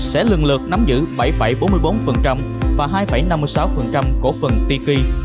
sẽ lường lượt nắm giữ bảy bốn mươi bốn và hai năm mươi sáu cổ phần tiki